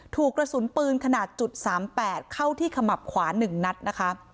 ถูกกระสุนปืนขนาดจุดสามแปดเข้าที่ขมับขวานหนึ่งนัดนะคะ